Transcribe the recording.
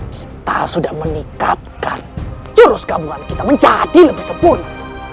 kita sudah meningkatkan jurus gabungan kita menjadi lebih sempur